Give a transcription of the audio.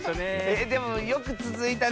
えでもよくつづいたね。